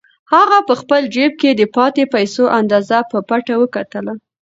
هغه په خپل جېب کې د پاتې پیسو اندازه په پټه وکتله.